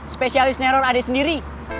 spesialis neror adik sendiri